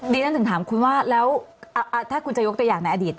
ฉันถึงถามคุณว่าแล้วถ้าคุณจะยกตัวอย่างในอดีต